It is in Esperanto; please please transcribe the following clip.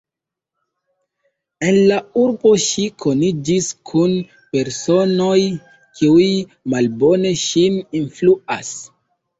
En la urbo ŝi koniĝis kun personoj, kiuj malbone ŝin influas.